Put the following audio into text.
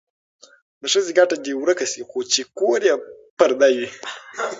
د ښځې ګټه دې ورکه شي خو چې کور یې پرده وي.